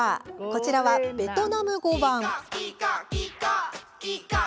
こちらはベトナム語版。